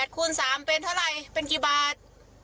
คูณ๓เป็นเท่าไหร่เป็นกี่บาท